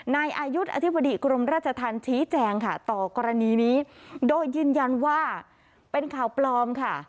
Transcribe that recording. นายอายุอธิบดีกรมราชธรรมชี้แจงค่ะต่อกรณีนี้โดยยืนยันว่าเป็นข่าวปลอมค่ะ